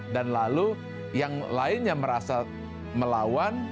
dan lalu yang lainnya merasa melawan